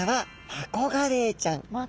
マコガレイちゃん。